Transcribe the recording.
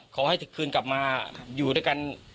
ขอให้คืนกลับมาอยู่ด้วยกัน